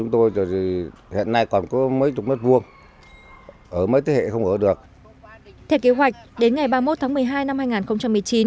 theo kế hoạch đến ngày ba mươi một tháng một mươi hai năm hai nghìn một mươi chín